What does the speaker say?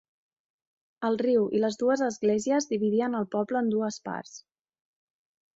El riu i les dues esglésies dividien el poble en dues parts.